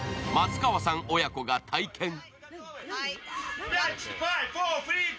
松川さん親子が体験。